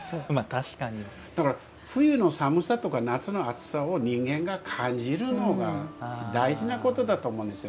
だから冬の寒さとか夏の暑さを人間が感じるのが大事なことだと思うんですよ。